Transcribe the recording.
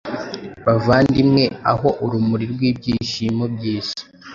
Bavandimweaho urumuri rwibyishimo-byisi